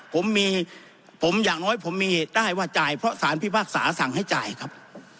ผมมีผมอย่างน้อยผมมีได้ว่าจ่ายเพราะสารพิพากษาสั่งให้จ่ายครับ